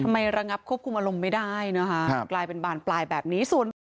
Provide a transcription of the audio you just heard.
ไม่ระงับควบคุมอารมณ์ไม่ได้นะคะกลายเป็นบานปลายแบบนี้